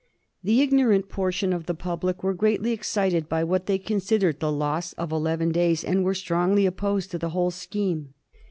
The ignorant portion of the public were greatly excited by what they considered the loss of eleven days, and were strongly opposed to the whole scheme.